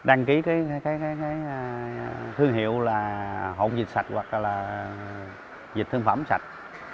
anh ký cái thương hiệu là hỗn dịch sạch hoặc là dịch thương phẩm sạch